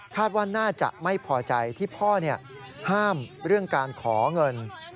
ว่าน่าจะไม่พอใจที่พ่อห้ามเรื่องการขอเงิน